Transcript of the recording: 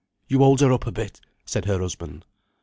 you hold her up a bit," said her husband.